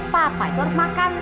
papa itu harus makan